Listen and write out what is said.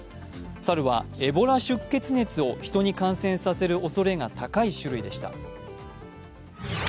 サルはエボラ出血熱をヒトに感染させるおそれが高い種類でした。